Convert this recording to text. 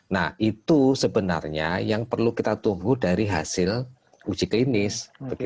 nah itu sebenarnya yang perlu kita tunggu dari hasil uji klinis